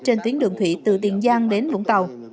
trên tuyến đường thủy từ tiền giang đến vũng tàu